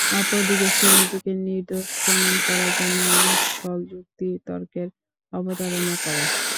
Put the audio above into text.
অপরদিকে সে নিজেকে নির্দোষ প্রমাণ করার জন্যে নিষ্ফল যুক্তি-তর্কের অবতারণা করে।